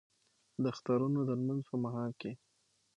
د اخترونو د لمونځ په مهال کې